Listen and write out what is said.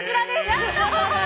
やった！